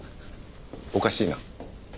おかしいな。